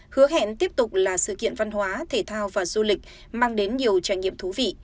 hứa hẹn tiếp tục là sự kiện văn hóa thể thao và du lịch mang đến nhiều trải nghiệm thú vị